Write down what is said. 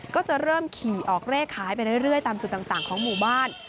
ก็จะเริ่มขี่ออกเลขขายไปเรื่อยตามจุดต่างของหมู่บ้าน